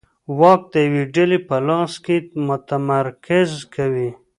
واک د یوې ډلې په لاس کې متمرکز کوي